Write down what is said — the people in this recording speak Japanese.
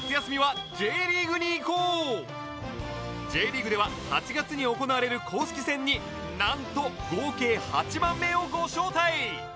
Ｊ リーグでは８月に行われる公式戦になんと合計８万名をご招待！